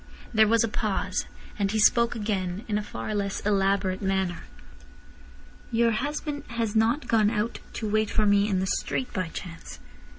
There was a pause. Then he spoke again, in a far less elaborate manner. "Your husband has not gone out to wait for me in the street by chance?"